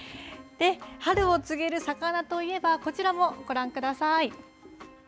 春を告げる魚といえば、こちらもご覧ください。